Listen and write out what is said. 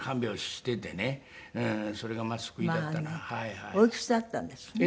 おいくつだったんです？